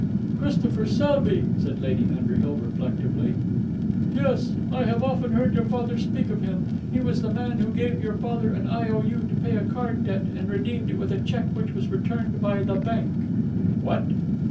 "Christopher Selby!" said Lady Underhill reflectively. "Yes! I have often heard your father speak of him. He was the man who gave your father an I.O.U. to pay a card debt, and redeemed it with a cheque which was returned by the bank!" "What!"